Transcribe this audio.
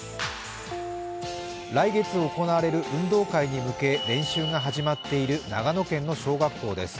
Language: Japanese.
来月行われる運動会に向け、練習が始まっている長野県の小学校です。